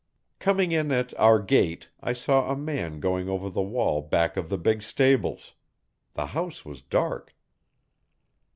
Coming in at our gate I saw a man going over the wall back of the big stables. The house was dark.